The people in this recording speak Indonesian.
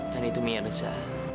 dan itu mirza